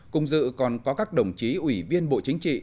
cùng dự còn có các đồng chí ủy viên bộ chính trị